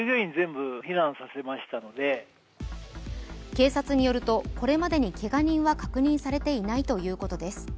警察によるとこれまでにけが人は確認されていないということです。